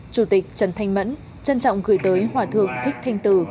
chủ tịch trần thanh mẫn trân trọng gửi tới hòa thượng thích thanh từ